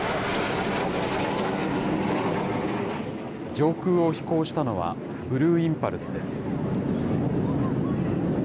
上空を飛行したのはブルーインパルスです。